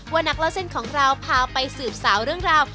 ว่านักเล่าเส้นของเราพาไปสืบสาวเรื่องราว